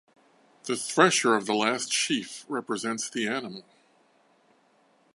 The thresher of the last sheaf represents the animal.